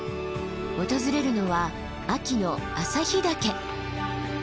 訪れるのは秋の朝日岳。